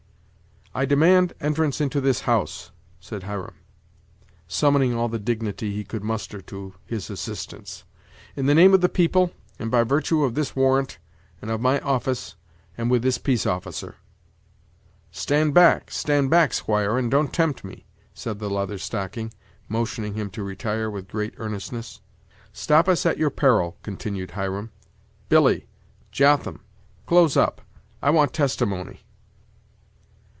"I demand entrance into this house," said Hiram, summoning all the dignity he could muster to his assistance, "in the name of the people; and by virtue of this warrant, and of my office, and with this peace officer." "Stand back, stand back, squire, and don't tempt me," said the Leather Stocking, motioning him to retire, with great earnestness. "Stop us at your peril," continued Hiram. "Billy! Jotham! close up I want testimony."